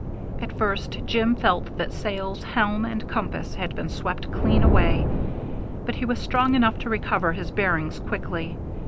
At first Jim felt that sails, helm, and compass had been swept clean away, but he was strong enough to recover his bearings quickly.